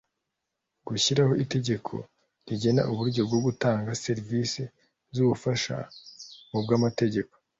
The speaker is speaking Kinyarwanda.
gushyiraho itegeko rigena uburyo bwo gutanga serivisi z ubufasha mu by amategeko